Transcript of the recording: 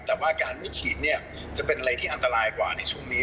แต่ว่าการไม่ฉีดเนี่ยจะเป็นอะไรที่อันตรายกว่าในช่วงนี้